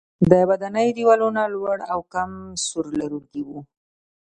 د ودانیو دیوالونه لوړ او کم سور لرونکي وو.